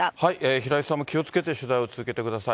平井さんも気をつけて取材を続けてください。